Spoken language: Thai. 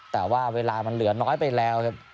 แต่ว่าเวลามันเหลือน้อยไปแล้วครับ